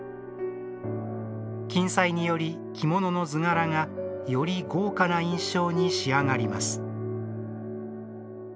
金彩により、着物の図柄がより豪華な印象に仕上がります。